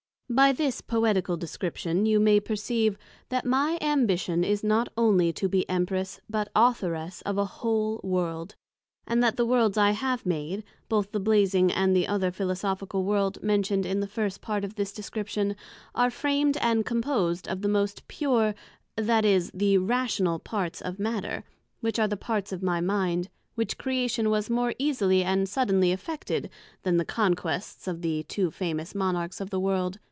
By this Poetical Description, you may perceive, that my ambition is not onely to be Empress, but Authoress of a whole World; and that the Worlds I have made, both the Blazing and the other Philosophical World, mentioned in the first part of this Description, are framed and composed of the most pure, that is, the Rational parts of Matter, which are the parts of my Mind; which Creation was more easily and suddenly effected, than the Conquests of the two famous Monarchs of the World.